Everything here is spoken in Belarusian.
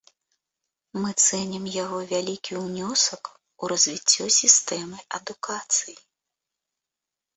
Мы цэнім яго вялікі ўнёсак у развіццё сістэмы адукацыі.